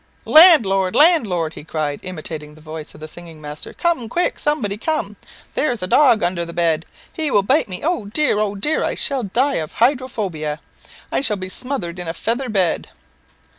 "Landlord! landlord!" he cried, imitating the voice of the singing master, "cum quick! Somebody cum! There's a dog under the bed! He will bite me! Oh, dear! oh, dear! I shall die of hydrophobia. I shall be smothered in a feather bed!"